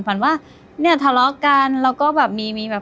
ฝันว่าเนี่ยถละกันเราก็แบบมี